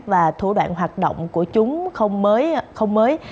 và thủ đoạn hoạt động của chúng không mới